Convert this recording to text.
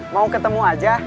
mau ketemu aja